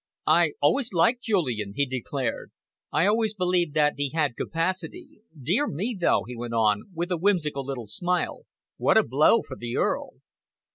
"I always liked Julian," he declared. "I always believed that he had capacity. Dear me, though," he went on, with a whimsical little smile, "what a blow for the Earl!"